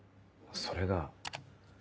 それが。